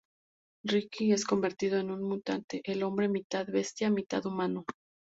Ricky es convertido en un mutante, el hombre mitad bestia-mitad humano.